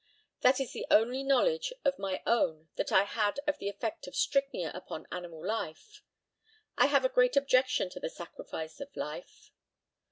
That is the only knowledge of my own that I had of the effect of strychnia upon animal life. I have a great objection to the sacrifice of life.